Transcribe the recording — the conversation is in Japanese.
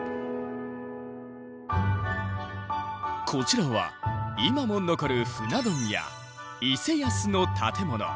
こちらは今も残る船問屋伊勢安の建物。